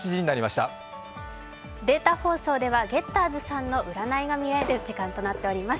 データ放送ではゲッターズ飯田さんの占いが見られる時間になっています。